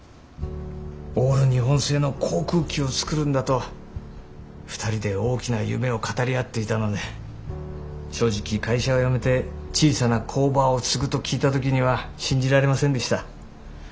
オール日本製の航空機を作るんだと２人で大きな夢を語り合っていたので正直会社を辞めて小さな工場を継ぐと聞いた時には信じられませんでした。